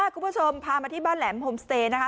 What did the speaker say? คุณผู้ชมพามาที่บ้านแหลมโฮมสเตย์นะคะ